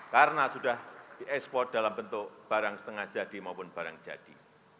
karena sudah diekspor dalam bentuk barang setengah jadi maupun barang jadi